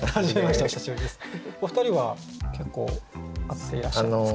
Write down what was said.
お二人は結構会っていらっしゃるんですか？